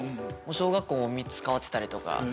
小学校も３つ変わってたりとか。